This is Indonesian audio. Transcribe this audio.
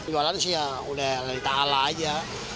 jualan sih ya udah kita ala aja